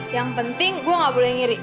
yang penting gue gak boleh ngiri